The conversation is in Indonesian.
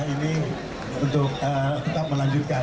ini untuk tetap melanjutkan